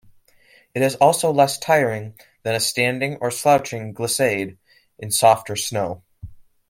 It is also less tiring than a standing or crouching glissade in softer snow.